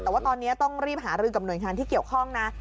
แต่ว่าตอนนี้ต้องรีบหารือกับหน่วยงานที่เกี่ยวข้องนะ